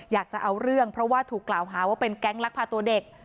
อยากจะเอาเรื่องเพราะว่าถูกกล่าวหาว่าเป็นแก๊งลักพาตัวเด็ก